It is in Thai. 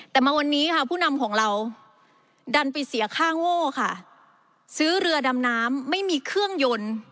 แต่มาวันนี้ค่ะผู้นำของเราดันไปเสียค่าโง่ค่ะซื้อเรือดำน้ำไม่มีเครื่องยนต์